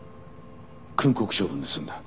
訓告処分で済んだ。